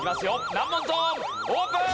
難問ゾーンオープン！